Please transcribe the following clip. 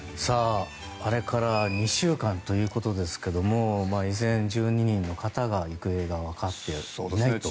あれから２週間ということですけども依然、１２人の方が行方がわかっていないと。